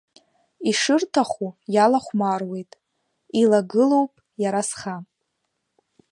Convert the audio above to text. Ишырҭаху иалахәмаруеит, илагылоуп иара сха.